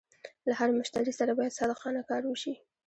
له هر مشتري سره باید صادقانه کار وشي.